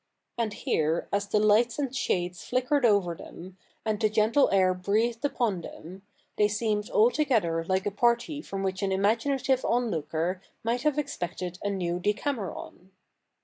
And here, as the lights and shades flickered over them, and the gentle air breathed upon them, they seemed altogether like a party from which an imaginative onlooker might have expected a new Decameron.